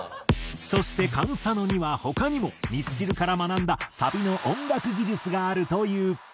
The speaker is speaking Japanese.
そしてＫａｎＳａｎｏには他にもミスチルから学んだサビの音楽技術があるという。